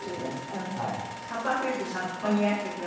カッパーフィールドさんはここにいらしてくだすってね。